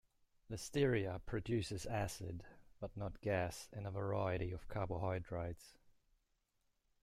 "Listeria" produces acid, but not gas, in a variety of carbohydrates.